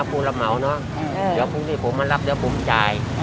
พูดละเมาเนอะเดี๋ยวพูดที่ผมมารับเดี๋ยวผมจ่าย